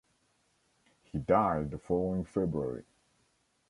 He died the following February.